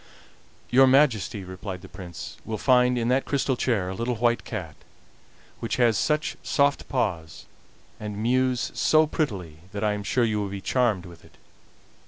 "Your Majesty," replied the Prince, "will find in that crystal chair a little white cat, which has such soft paws, and mews so prettily, that I am sure you will be charmed with it."